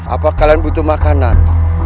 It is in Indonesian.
apa kalian butuh makanan